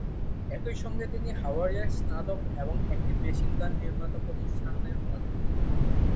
একই সঙ্গে তিনি হার্ভার্ডের স্নাতক এবং একটি মেশিন গান নির্মাতা প্রতিষ্ঠানের মডেল।